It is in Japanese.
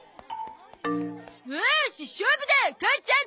おーし勝負だ母ちゃん！